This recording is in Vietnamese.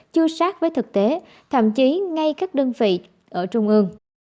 chưa sát với thực tế thậm chí ngay các đơn vị ở trung ương